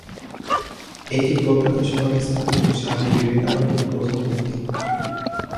এটিই কলকাতা শহরে স্থাপিত স্বামী বিবেকানন্দের প্রথম মূর্তি।